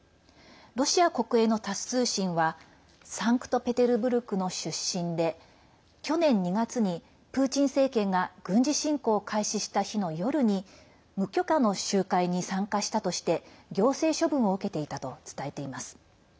ロシア国営のタス通信はサンクトペテルブルクの出身で去年２月にプーチン政権が軍事侵攻を開始した日の夜に無許可の集会に参加したとして行政処分を受けていたと伝えています。